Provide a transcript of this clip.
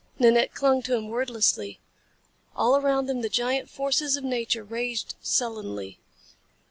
Nanette clung to him wordlessly. All around them the giant forces of nature raged sullenly.